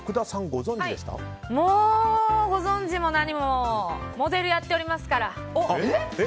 ご存じも何もモデルやっておりますから。